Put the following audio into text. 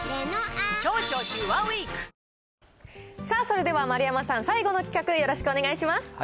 さあ、それでは丸山さん、最後の企画よろしくお願いします。